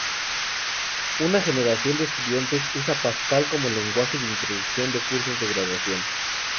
Una generación de estudiantes usa Pascal como lenguaje de introducción de cursos de graduación.